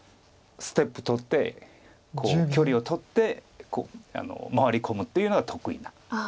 ステップとって距離をとって回り込むというのが得意な。